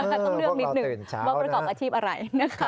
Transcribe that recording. ต้องเลือกนิดหนึ่งว่าเป็นกรรมอาชีพอะไร